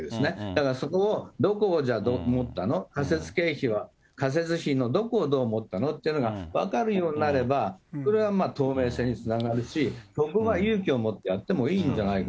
だからそこをどこをどうもったの、かせつ経費は、かせつ費のどこをどう持ったの？っていうのが分かるようになれば、それは透明性につながるし、そこは勇気をもってやってもいいんじ